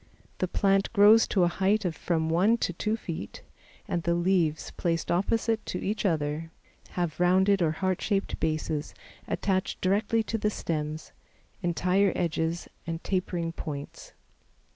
The plant grows to a height of from one to two feet, and the leaves, placed opposite to each other, have rounded or heart shaped bases attached directly to the stems, entire edges and tapering points.